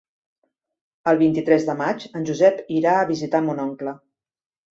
El vint-i-tres de maig en Josep irà a visitar mon oncle.